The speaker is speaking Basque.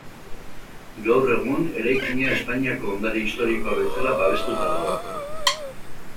Gaur egun, eraikina Espainiako Ondare Historikoa bezala babestuta dago.